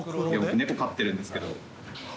猫飼ってるんですけど。